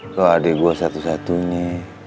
kalau adik gue satu satunya